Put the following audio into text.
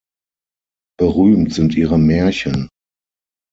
Berühmt sind ihre Märchen.